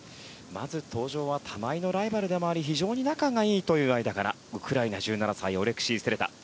まず登場は玉井のライバルでもあり非常に仲がいいという間柄ウクライナ、１７歳オレクシー・セレダ。